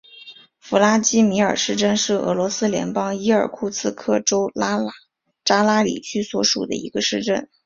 弗拉基米尔市镇是俄罗斯联邦伊尔库茨克州扎拉里区所属的一个市镇。